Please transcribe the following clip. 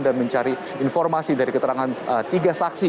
dan mencari informasi dari keterangan tiga saksi